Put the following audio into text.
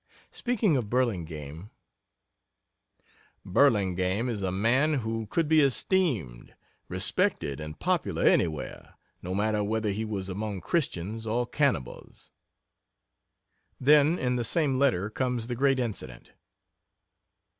Speaking of Burlingame: "Burlingame is a man who could be esteemed, respected, and popular anywhere, no matter whether he was among Christians or cannibals." Then, in the same letter, comes the great incident.